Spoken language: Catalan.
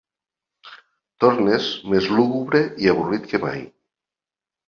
Tornes més lúgubre i avorrit que mai.